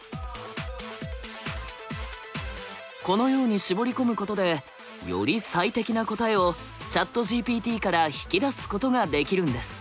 このように絞り込むことでより最適な答えをＣｈａｔＧＰＴから引き出すことができるんです。